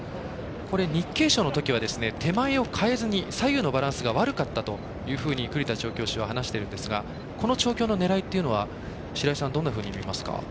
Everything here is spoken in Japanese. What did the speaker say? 日経賞のときは手前をかえずに左右のバランスが悪かったと栗田調教師は話しているんですがこれについては白井さん、どんなふうに見ますか？